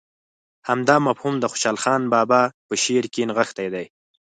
همدا مفهوم د خوشحال بابا په شعر کې نغښتی دی.